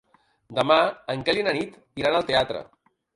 Demà en Quel i na Nit iran al teatre.